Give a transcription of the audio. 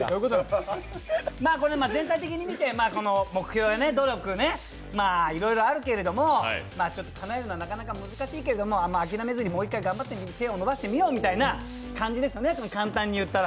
全体的に見て、目標、努力、いろいろあるけれどもかなえるのはなかなか難しいけど諦めずにもう一回頑張って手を伸ばしてみようみたいな感じですよね、簡単に言ったら。